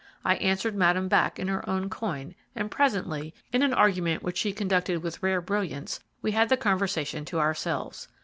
I answered Madame back in her own coin, and presently, in an argument which she conducted with rare brilliance, we had the conversation to ourselves.